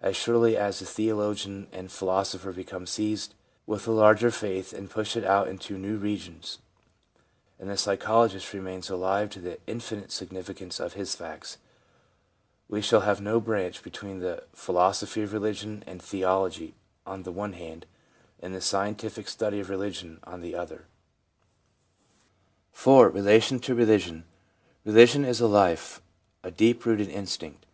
As surely as the theologian and philosopher become seized with a larger faith and push out into new regions, and the psychologist remains alive to the infinite significance of his facts, we shall have no breach between the philosophy of religion and theology, on the one hand, and the scientific study of religion, on the other. 4. Relation to Religion. — Religion is a life, a deep rooted instinct.